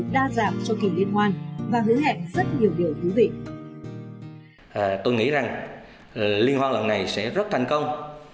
đa dạng cho kỳ liên hoan và hứa hẹn rất nhiều điều thú vị tôi nghĩ rằng liên hoan lần này sẽ rất thành công